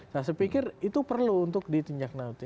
saya pikir itu perlu untuk ditinjak nanti